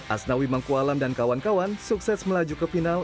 asnawi mangkualam dan kawan kawan sukses melaju ke final